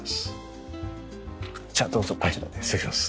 じゃあどうぞこちらです。